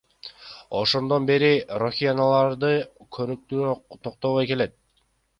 Ошондон бери рохиняларды куугунтуктоо токтобой келет.